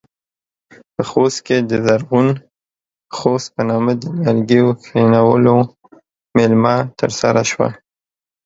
په خوست کې د زرغون خوست په نامه د نيالګيو کښېنولو مېلمه ترسره شوه.